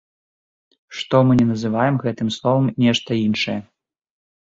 Што мы не называем гэтым словам нешта іншае.